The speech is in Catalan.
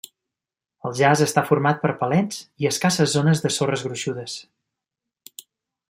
El jaç està format per palets i escasses zones de sorres gruixudes.